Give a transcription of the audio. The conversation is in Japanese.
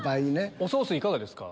おソースいかがですか？